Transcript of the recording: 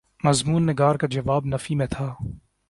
مضمون نگار کا جواب نفی میں تھا۔